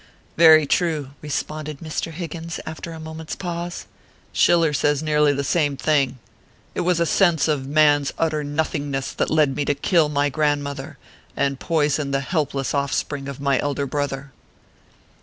" Very true," responded Mr. Higgins, after a mo ment s pause ;" Schiller says nearly the same thing. It was a sense of man s utter nothingness that led me to kill my grandmother, and poison the helpless oil spring of my elder brother."